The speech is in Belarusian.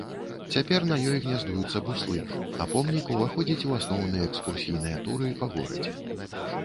Цяпер на ёй гняздуюцца буслы, а помнік уваходзіць у асноўныя экскурсійныя туры па горадзе.